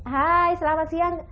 hai selamat siang